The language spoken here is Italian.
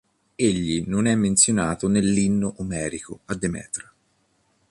Egli non è menzionato nell’"Inno Omerico a Demetra".